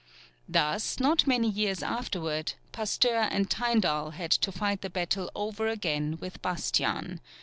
Thus, not many years afterward, Pasteur and Tyndall had to fight the battle over again with Bastian.